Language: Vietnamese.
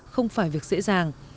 không phải việc dễ dàng